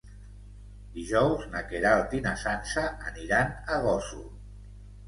Dijous na Queralt i na Sança aniran a Gósol.